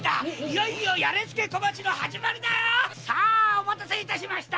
お待たせしました！